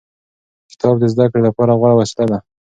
کتاب د زده کړې لپاره غوره وسیله ده.